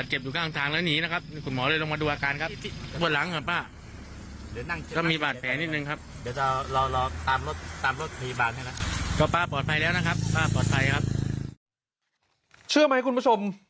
เชื่อไหมคุณผู้ชม